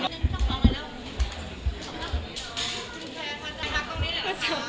เราเป็นเครื่องสบายประโยชน์